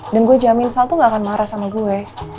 dan gue jamin sal tuh gak akan marah sama gue